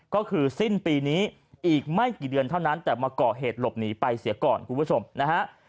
ก็คือสิ้นปีนี้อีกไม่กี่เดือนเท่านั้นแต่มาก่อเหตุหลบหนีไปเสียก่อนคุณผู้ชมนะฮะ